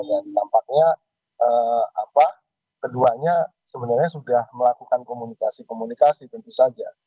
dan nampaknya apa keduanya sebenarnya sudah melakukan komunikasi komunikasi tentu saja